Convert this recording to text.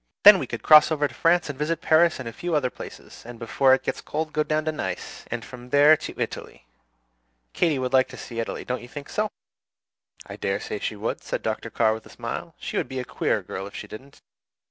Then we could cross over to France and visit Paris and a few other places; and before it gets cold go down to Nice, and from there to Italy. Katy would like to see Italy. Don't you think so?" "I dare say she would," said Dr. Carr, with a smile. "She would be a queer girl if she didn't."